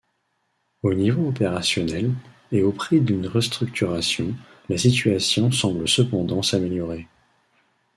Au niveau opérationnel, et au prix d'une restructuration, la situation semble cependant s'améliorer.